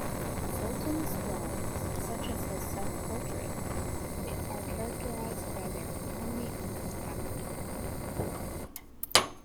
Sultan's drawings, such as his self-portrait, are characterized by their economy and compactness.